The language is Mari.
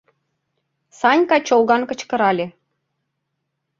— Санька чолган кычкырале.